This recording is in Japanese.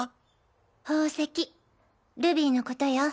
宝石ルビーのことよ。